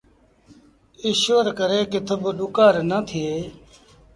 ايٚشور ڪري ڪٿ با ڏُڪآر نا ٿئي۔